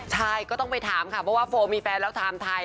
ใช่ก็ต้องไปถามค่ะเพราะว่าโฟมีแฟนแล้วถามไทย